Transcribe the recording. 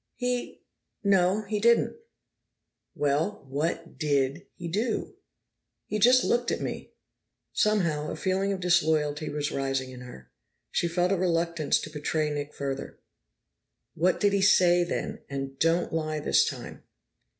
"He no, he didn't." "Well, what did he do?" "He just looked at me." Somehow a feeling of disloyalty was rising in her; she felt a reluctance to betray Nick further. "What did he say, then? And don't lie this time."